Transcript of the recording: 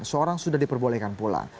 seorang sudah diperbolehkan pulang